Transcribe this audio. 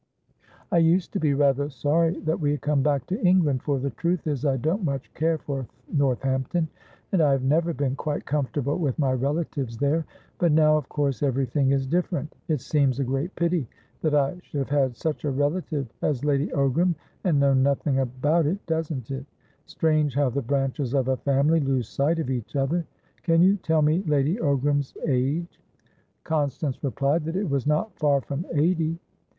"I used to be rather sorry that we had come back to England, for the truth is I don't much care for Northampton, and I have never been quite comfortable with my relatives there. But now, of course, everything is different. It seems a great pity that I should have had such a relative as Lady Ogram and known nothing about it doesn't it? Strange how the branches of a family lose sight of each other? Can you tell me Lady Ogram's age?" Constance replied that it was not far from eighty.